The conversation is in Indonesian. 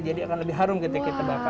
jadi akan lebih harum ketika kita bakar